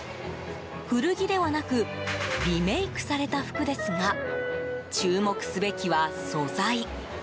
古着ではなくリメイクされた服ですが注目すべきは素材。